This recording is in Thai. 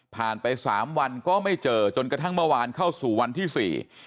ไปสามวันก็ไม่เจอจนกระทั่งเมื่อวานเข้าสู่วันที่สี่